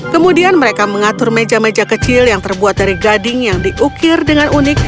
kemudian mereka mengatur meja meja kecil yang terbuat dari gading yang diukir dengan unik